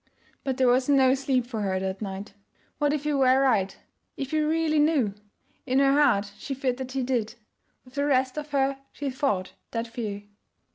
But there was no sleep for her that night. What if he were right if he really knew? In her heart she feared that he did; with the rest of her she fought that fear.